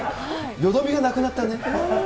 よどみがなくなったね。